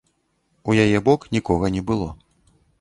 У яе бок нікога не было.